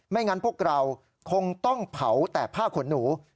งั้นพวกเราคงต้องเผาแต่ผ้าขนหนู